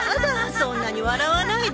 そんなに笑わないで。